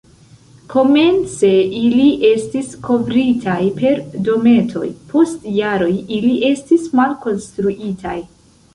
Komence ili estis kovritaj per dometoj, post jaroj ili estis malkonstruitaj.